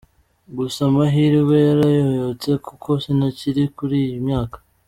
Gusa amahirwe yarayoyotse kuko sinakinira kuri iyi myaka.